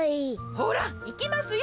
ほらいきますよ。